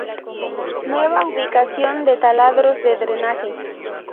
Nueva ubicación de taladros de drenaje.